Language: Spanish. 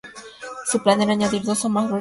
Su plan era añadir dos más barcos a la flota.